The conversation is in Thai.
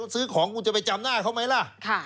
ซื้อของกูจะไปจำหน้าเขาไหมล่ะ